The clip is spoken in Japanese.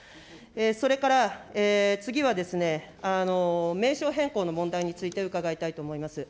それから、次はですね、名称変更の問題について、伺いたいと思います。